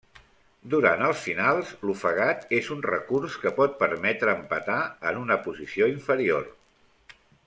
Durant els finals, l'ofegat és un recurs que pot permetre empatar en una posició inferior.